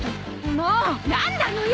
もうなんなのよ！